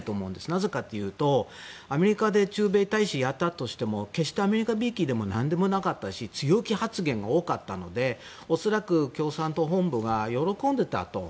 なぜかというとアメリカで駐米大使をやったとしても決してアメリカびいきでも何でもなかったし強気発言が多かったので恐らく共産党本部は喜んでいたと。